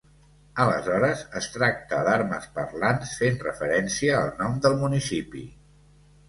Aleshores, es tracta d'armes parlants, fent referència al nom del municipi.